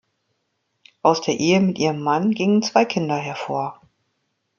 Aus der Ehe mit ihrem Mann gingen zwei Kinder hervor.